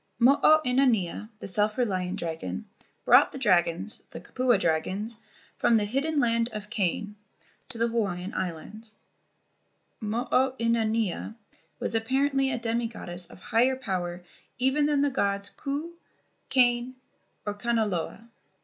THE DRAGON GHOST GODS 257 Mo o inanea (The Self reliant Dragon) brought the dragons, the kupua dragons, from the "Hidden Land of Kane" to the Hawaiian Islands. Mo o inanea was appar¬ ently a demi goddess of higher power even than the gods Ku, Kane, or Kanaloa.